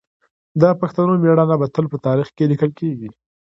د پښتنو مېړانه به تل په تاریخ کې لیکل کېږي.